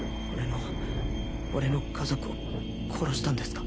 俺の家族を殺したんですか？